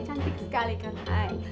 cantik sekali kan ay